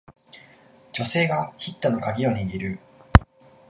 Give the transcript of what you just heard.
女性がヒットのカギを握る